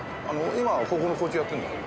今は高校の校長やってるんだろ。